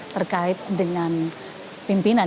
terkait dengan pimpinan